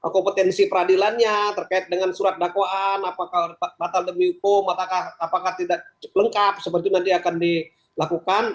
kompetensi peradilannya terkait dengan surat dakwaan apakah batal demi hukum apakah tidak lengkap seperti itu nanti akan dilakukan